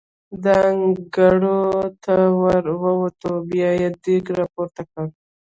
د انګړ ته ور ووتو، بیا یې دېګ را پورته کړ.